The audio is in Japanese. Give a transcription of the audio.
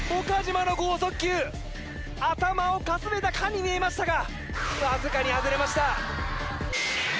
岡島の剛速球頭をかすめたかに見えましたがわずかに外れました